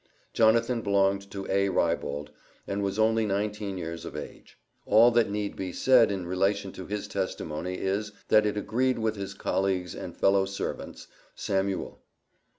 Jonathan belonged to A. Rybold, and was only nineteen years of age. All that need be said in relation to his testimony, is, that it agreed with his colleague's and fellow servant's, Samuel.